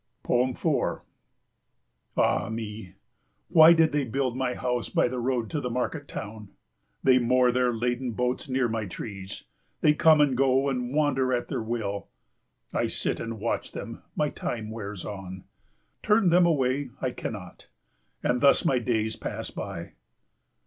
4 Ah me, why did they build my house by the road to the market town? They moor their laden boats near my trees. They come and go and wander at their will. I sit and watch them; my time wears on. Turn them away I cannot. And thus my days pass by.